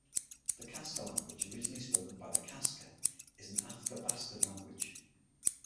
The Kaska language originally spoken by the Kaska is an Athabaskan language.